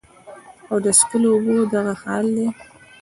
او د څښلو اوبو دغه حال دے